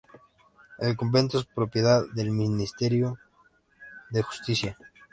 El Convento es propiedad del Ministerio de Justicia.